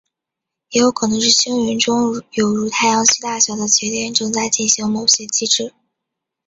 也有可能是星云中有如太阳系大小的节点正在进行某些机制。